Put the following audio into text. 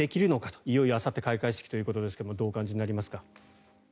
いよいよあさって開会式ということですがどうお感じになりますか？